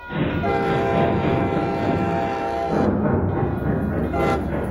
Les femmes restent longtemps interdites de pratiquer certaines disciplines.